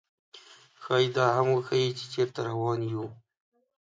ښايي دا هم وښيي، چې چېرته روان یو.